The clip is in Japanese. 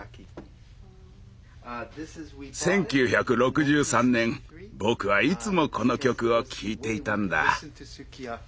１９６３年僕はいつもこの曲を聴いていたんだ。